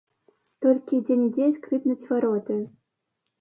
Толькі дзе-нідзе скрыпнуць вароты.